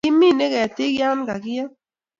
Kiminet ketik yan ka kiyep